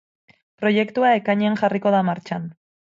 Proiektua ekainean jarriko da martxan.